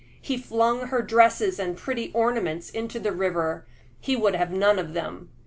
He flung her dresses and pretty ornaments into the river; he would have none of them.